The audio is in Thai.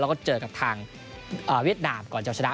แล้วก็เจอกับทางเวียดนามก่อนจะเอาชนะ